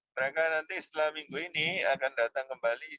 mereka nanti setelah minggu ini akan datang kembali